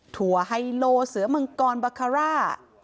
ถั่วไฮโลเสือมังกรบาคาร่า